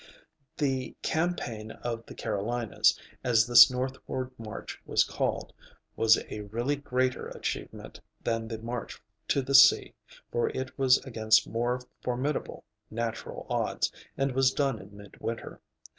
The "Campaign of the Carolinas," as this northward march was called, was a really greater achievement than the march to the sea, for it was against more formidable natural odds, and was done in midwinter.